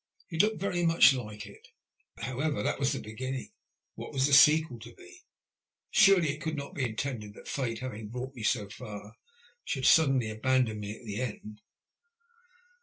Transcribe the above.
It looked very much like it. If, however, that was the beginning, what was the sequel to be ? for surely it could not be intended that Fate, having brought me so far, should suddenly abandon me at the end.